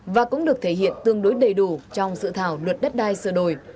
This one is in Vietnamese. và cũng được thể hiện tương đối đầy đủ trong dự thảo luật đất đai sửa đổi